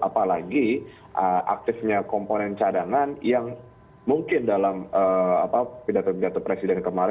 apalagi aktifnya komponen cadangan yang mungkin dalam pidato pidato presiden kemarin